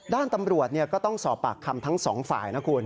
ด้านตำรวจก็ต้องสอบปากคำทั้งสองฝ่ายนะคุณ